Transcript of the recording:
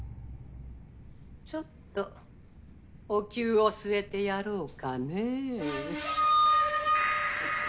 ちょっとおきゅうを据えてやろうかねえ。